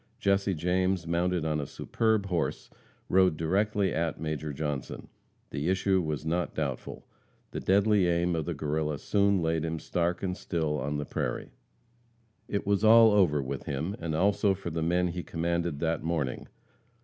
Jesse James, mounted on a superb horse, rode directly at Major Johnson. The issue was not doubtful. The deadly aim of the Guerrilla soon laid him stark and still on the prairie. It was all over with him, and also for the men he commanded that morning.